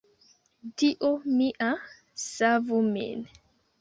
"Dio mia, savu min!"